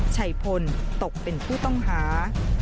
ชัยพลตกเป็นผู้ต้องหา